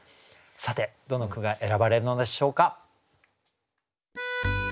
さてどの句が選ばれるのでしょうか？